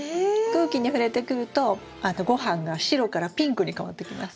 空気に触れてくると御飯が白からピンクに変わってきます。